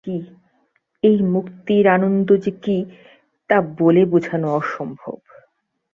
এই মুক্তির আনন্দ যে কী তা বলে বোঝানো অসম্ভব।